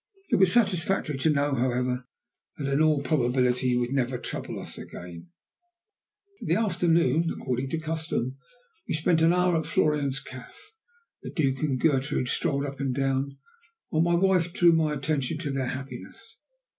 It was satisfactory to know, however, that in all probability he would never trouble us again. That afternoon, according to custom, we spent an hour at Florian's café. The Duke and Gertrude strolled up and down, while my wife drew my attention to their happiness.